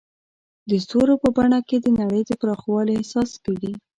د ستورو په بڼه کې د نړۍ د پراخوالي احساس کېږي.